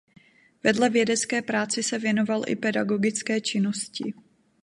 Vedle vědecké práci se věnoval i pedagogické činnosti.